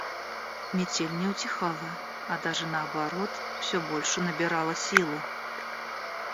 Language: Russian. Метель не утихала, а даже наоборот, все больше набирала силу.